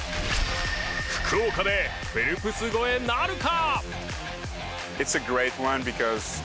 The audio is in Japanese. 福岡でフェルプス超えなるか？